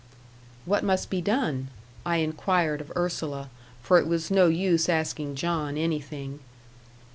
"What must be done?" I inquired of Ursula; for it was no use asking John anything.